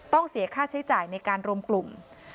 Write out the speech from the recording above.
เสียค่าใช้จ่ายในการรวมกลุ่ม